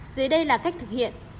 dưới đây là cách thực hiện